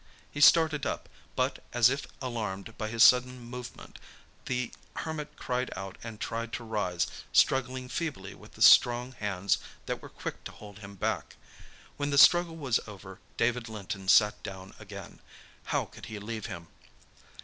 He started up, but, as if alarmed by his sudden movement, the Hermit cried out and tried to rise, struggling feebly with the strong hands that were quick to hold him back. When the struggle was over David Linton sat down again. How could he leave him?